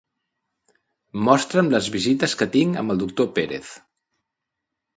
Mostra'm les visites que tinc amb el doctor Pérez.